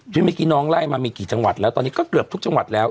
เมื่อกี้น้องไล่มามีกี่จังหวัดแล้วตอนนี้ก็เกือบทุกจังหวัดแล้ว